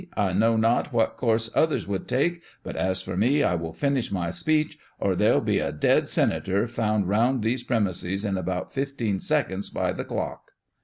I know not what course others would take, but as for me, I will finish my speech or there'll be a dead senator found round these premises in about fifteen seconds by the clock."